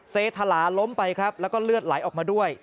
เสถาล้มไปครับแล้วก็เลือดไหลออกมาด้วย